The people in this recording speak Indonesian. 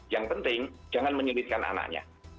yang penting jangan menyulitkan anaknya